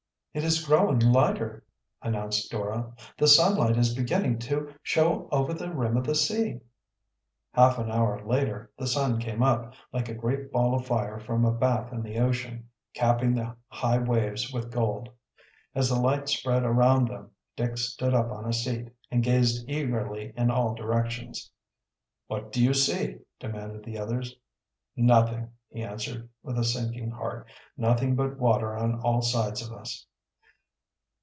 "It is growing lighter," announced Dora. "The sunlight is beginning to, show over the rim of the sea." Half an hour later the sun came up, like a great ball of fire from a bath in the ocean, capping the high waves with gold. As the light spread around them, Dick stood up on a seat and gazed eagerly in all directions. "What do you see?" demanded the others. "Nothing," he answered, with a sinking heart; "nothing but water on all sides of us."